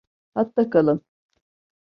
Hatta kalın.